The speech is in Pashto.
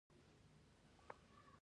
بزګرانو د فیوډالانو ځایونه ویجاړ کړل.